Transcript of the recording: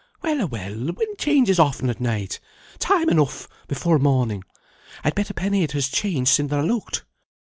"Well a well, wind changes often at night. Time enough before morning. I'd bet a penny it has changed sin' thou looked."